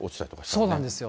そうなんですよ。